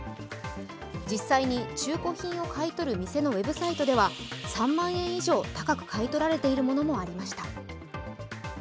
実際に中古品を買い取る店のウェブサイトでは３万円以上高く買い取られているものもありました。